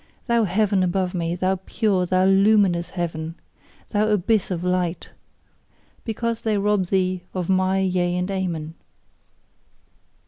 thou heaven above me, thou pure, thou luminous heaven! Thou abyss of light! because they rob thee of MY Yea and Amen.